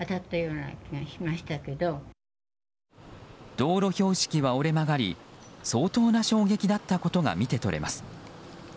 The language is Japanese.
道路標識は折れ曲がり相当な衝撃だったことが見て取れます。